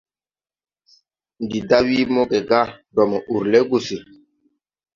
Ndi da wii moge gá ndɔ mo urlɛ gusi.